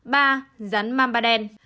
ba rắn mamba đen